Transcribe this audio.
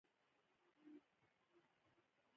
سړک د کډوالو د بېرته راستنېدو لاره ده.